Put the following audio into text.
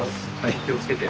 お気をつけて。